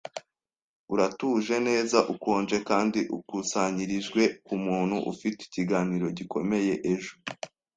Uratuje neza ukonje kandi ukusanyirijwe kumuntu ufite ikiganiro gikomeye ejo.